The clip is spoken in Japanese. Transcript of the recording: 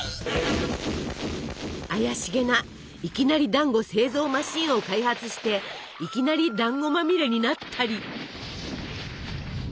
怪しげないきなりだんご製造マシンを開発していきなりだんごまみれになったり。